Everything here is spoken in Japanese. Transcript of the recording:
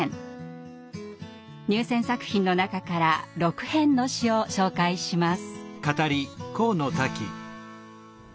入選作品の中から６編の詩を紹介します。